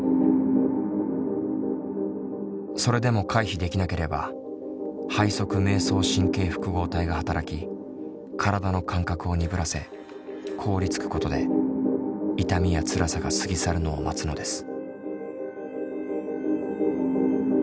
それでも回避できなければ背側迷走神経複合体が働き体の感覚を鈍らせ凍りつくことで痛みやつらさが過ぎ去るのを待つのです。